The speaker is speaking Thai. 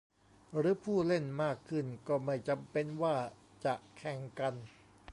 หรือผู้เล่นมากขึ้นก็ไม่จำเป็นว่าจะแข่งกัน ?